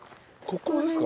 ここですか？